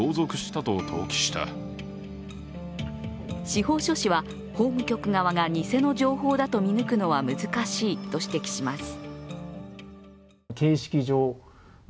司法書士は法務局側が偽の情報だと見抜くのは難しいと指摘します。